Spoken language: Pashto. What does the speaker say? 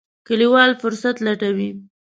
کلیوال فرصت لټوي.